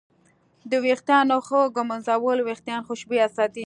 د ویښتانو ښه ږمنځول وېښتان خوشبویه ساتي.